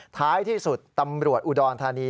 ท้ายที่สุดตำรวจอุดรธานี